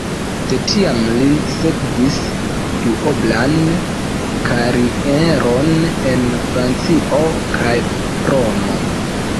De tiam li sekvis duoblan karieron en Francio kaj Romo.